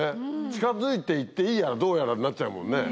近づいていっていいやらどうやらになっちゃうもんね。